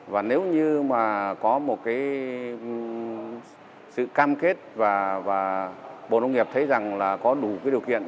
và nếu như mà có một cái sự cam kết và bộ nông nghiệp thấy rằng là có đủ cái điều kiện